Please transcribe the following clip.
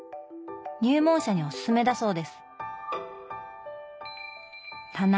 入門者におすすめだそうです。